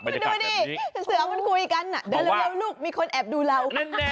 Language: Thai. ดูหนิเสือกุญกุยกันน่ะเดี๋ยวลูกมีคนแอบดูเรา